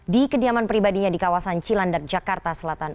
di kediaman pribadinya di kawasan cilandak jakarta selatan